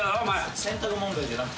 選択問題じゃなくて？